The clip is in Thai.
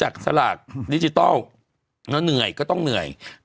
เป็นการกระตุ้นการไหลเวียนของเลือด